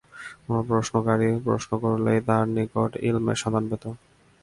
কোন প্রশ্নকারী প্রশ্ন করলেই তাঁর নিকট ইলমের সন্ধান পেত।